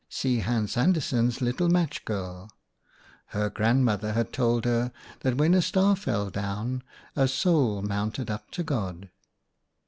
— See Hans Andersen's Little Match Girl: " Her Grandmother had told her that when a star fell down a soul mounted up to God."